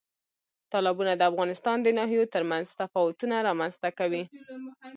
تالابونه د افغانستان د ناحیو ترمنځ تفاوتونه رامنځ ته کوي.